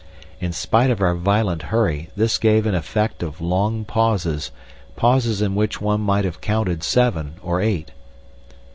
In spite of our violent hurry this gave an effect of long pauses, pauses in which one might have counted seven or eight.